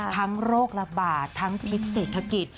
ทั้งโรคระบาดทั้งพิษศิษย์ธกิจ